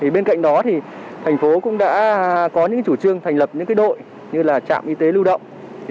bên cạnh đó thành phố cũng đã có những chủ trương thành lập những đội như là trạm y tế lưu động